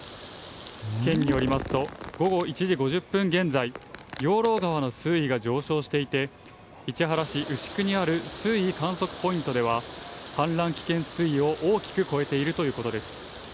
県によりますと、午後１時５０分現在、ようろう川の水位が上昇していて、市原市牛久にある水位観測ポイントでは、氾濫危険水位を大きく超えているということです。